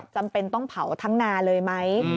จำเป็นต้องเผาทั้งนาเลยไหม